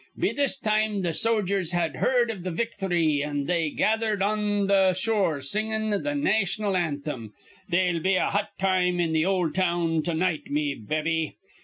Be this time th' sojers had heerd of the victhry, an' they gathered on th' shore, singin' th' naytional anthem, 'They'll be a hot time in th' ol' town to night, me babby.'